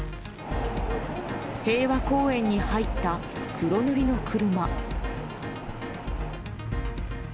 平和公園に入った黒塗りの車。